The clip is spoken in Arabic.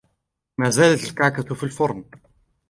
ما زالت الكعكة في الفرن.